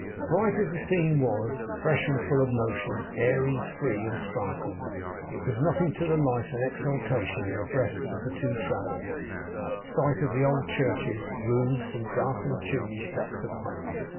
Bright as the scene was; fresh, and full of motion; airy, free, and sparkling; it was nothing to the life and exultation in the breasts of the two travellers, at sight of the old churches, roofs, and darkened chimney stacks of Home.